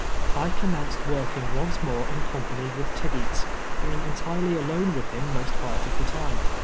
I commenced working once more in company with Tibeats, being entirely alone with him most part of the time.